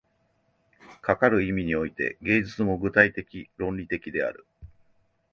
かかる意味において、芸術も具体的論理的である。